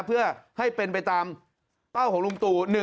เพื่อให้เป็นไปตามเป้าของลุงตู่